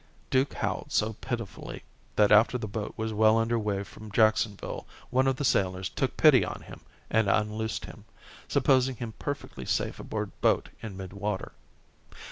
Duke howled so pitifully that after the boat was well under way from Jacksonville one of the sailors took pity on him and unloosed him, supposing him perfectly safe aboard boat in midwater.